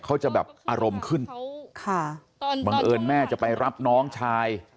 เขาจะแบบอารมณ์ขึ้นค่ะบังเอิญแม่จะไปรับน้องชาย